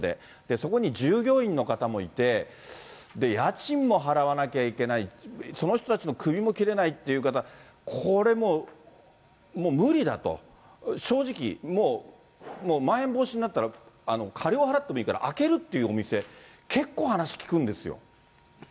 そこに従業員の方もいて、家賃も払わなきゃいけない、その人たちの首も切れないという方、これもう、もう無理だと、正直、もう、まん延防止になったら、過料払ってもいいから、明けるというお店、結構、話聞くんですよ。